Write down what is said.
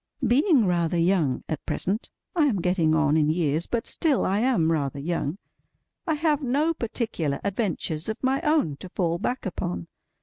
BEING rather young at present—I am getting on in years, but still I am rather young—I have no particular adventures of my own to fall back upon.